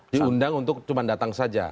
diundang untuk cuma datang saja